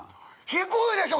低いでしょ！